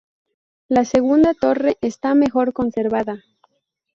La segunda torre está mejor conservada.